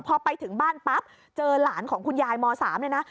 พอไปถึงบ้านปั๊บเจอหลานของคุณยายม๓เลยนะ